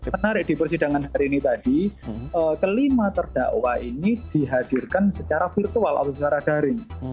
menarik di persidangan hari ini tadi kelima terdakwa ini dihadirkan secara virtual atau secara daring